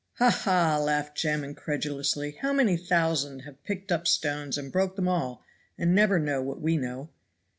"Ha! ha!" laughed Jem incredulously, "how many thousand have picked up stones and broke them and all, and never known what we know."